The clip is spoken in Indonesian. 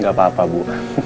gak apa apa bu